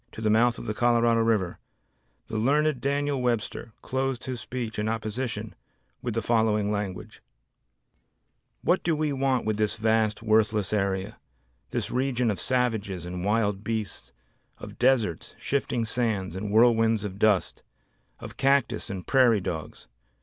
to the mouth of the Colorado River, the learned Daniel Webster closed his speech in opposition with the following language: "What do we want with this vast worthless area; this region of savages and wild beasts, of deserts, shifting sands, and whirlwinds of dust; of cactus and prairie dogs?